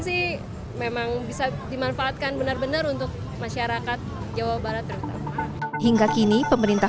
sih memang bisa dimanfaatkan benar benar untuk masyarakat jawa barat terutama hingga kini pemerintah